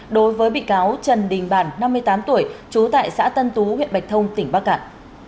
đối với bị cáo trần đình bản năm mươi tám tuổi trú tại xã tân tú huyện bạch thông tỉnh bắc cạn